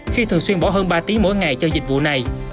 khi thường xuyên bỏ hơn ba tiếng mỗi ngày cho dịch vụ này